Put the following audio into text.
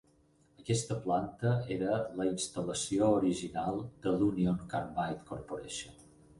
Aquesta planta era la instal·lació original de l'Union Carbide Corporation.